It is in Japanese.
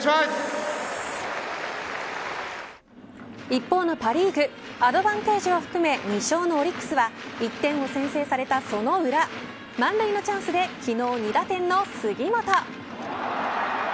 一方のパ・リーグアドバンテージを含め２勝のオリックスは１点を先制されたその裏満塁のチャンスで昨日２打点の杉本。